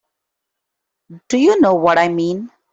Do you know what I mean?